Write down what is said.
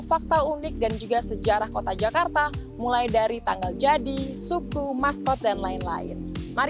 fakta unik dan juga sejarah kota jakarta mulai dari tanggal jadi suku maskot dan lain lain mari